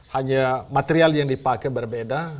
hanya material yang dipakai berbeda